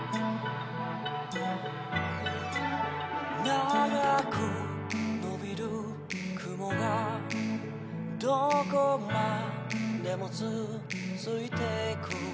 「長く伸びる雲がどこまでも続いていく」